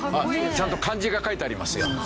ちゃんと漢字が書いてありますよ。